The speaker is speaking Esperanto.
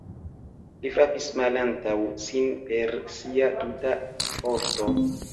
Li frapis malantaŭ sin per sia tuta forto.